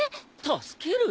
助ける？